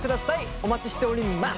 お待ちしております！